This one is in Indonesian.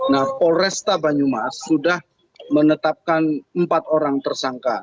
nah polresta banyumas sudah menetapkan empat orang tersangka